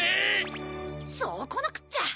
そうこなくっちゃ。